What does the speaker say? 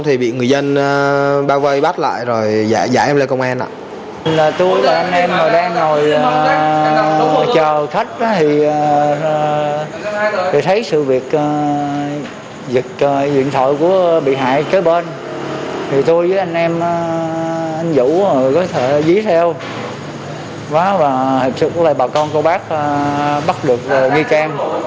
thì tôi với anh em anh vũ có thể dí theo và thực sự là bà con cô bác bắt được nhi trang